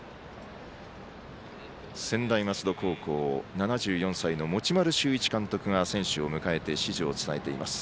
専大松戸高校、７４歳の持丸修一監督が選手を迎えて指示を伝えています。